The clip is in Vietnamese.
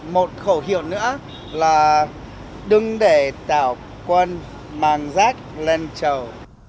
một khẩu hiệu nữa là đừng để tạo quân mang rác lên trầu